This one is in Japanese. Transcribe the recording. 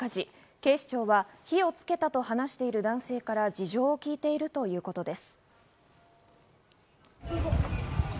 警視庁は火をつけたと話している男性から事情を聴いているということです。